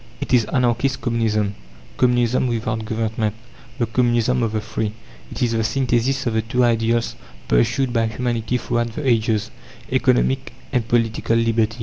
It is Anarchist Communism, Communism without government the Communism of the Free. It is the synthesis of the two ideals pursued by humanity throughout the ages Economic and Political Liberty.